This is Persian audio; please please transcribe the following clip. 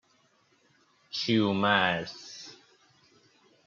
کیومرث